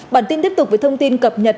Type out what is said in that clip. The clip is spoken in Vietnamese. bản tin tiếp tục với thông tin cập nhật